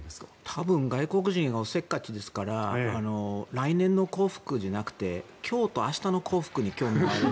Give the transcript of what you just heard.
多分外国人はせっかちですから来年の幸福じゃなくて今日と明日の幸福に興味がある。